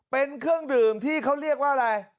เป็นเครื่องดื่มที่เขาเรียกว่าอะไร